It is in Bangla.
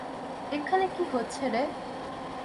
এখানে কী হচ্ছে রে?